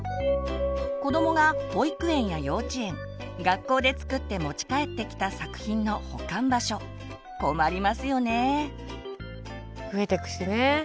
子どもが保育園や幼稚園学校で作って持ち帰ってきた作品の保管場所困りますよねぇ。